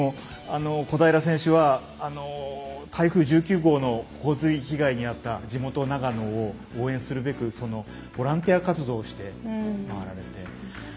小平選手は台風１９号の被害に遭った地元・長野を応援するべくボランティア活動をしておられて。